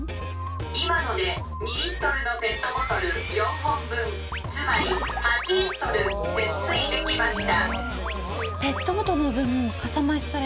「今ので２リットルのペットボトル４本分つまり８リットル節水できました」。